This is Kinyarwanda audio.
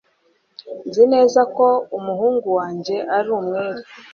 nzi neza ko umuhungu wanjye ari umwere